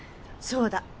そうだ。